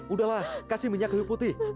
udahlah kasih minyak kayu putih